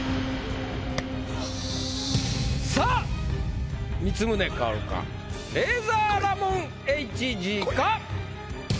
さぁ光宗薫かレイザーラモンＨＧか。